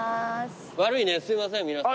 悪いねすいません皆さん。